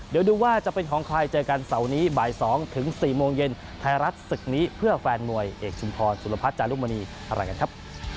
เดี๋ยวดูว่าจะเป็นของใครเจอกันเสาร์นี้บ่าย๒ถึง๔โมงเย็นไทยรัฐศึกนี้เพื่อแฟนมวยเอกชุมพรสุรพัฒน์จารุมณีอะไรกันครับ